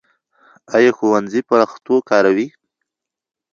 ایا ښوونځی پښتو کاروي؟